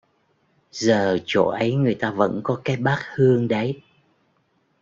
giờ chỗ ấy người ta vẫn có cái bát hương đấy